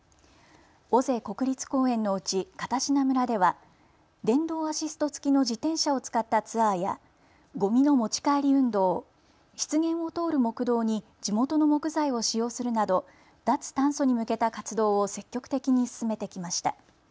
尾瀬国立公園のうち片品村では電動アシスト付きの自転車を使ったツアーやごみの持ち帰り運動、湿原を通る木道に地元の木材を使用するなど脱炭素に向けた活動を積極的に進めてきました。